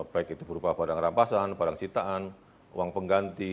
baik itu berupa barang rampasan barang sitaan uang pengganti